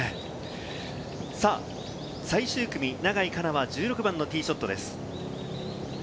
最終組、永井花奈は１６番のティーショットです。